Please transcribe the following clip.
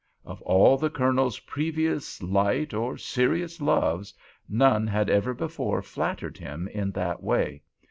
Of all the Colonel's previous "light" or "serious" loves none had ever before flattered him in that way.